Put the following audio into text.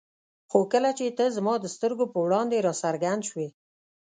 خو کله چې ته زما د سترګو په وړاندې را څرګند شوې.